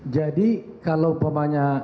jadi kalau pemainnya